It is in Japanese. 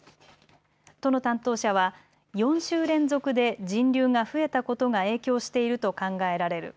都の担当者は４週連続で人流が増えたことが影響していると考えられる。